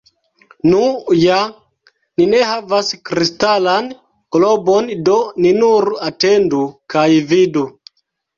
Nu ja, ni ne havas kristalan globon, do ni nur atendu kaj vidu.